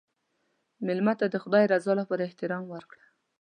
مېلمه ته د خدای رضا لپاره احترام ورکړه.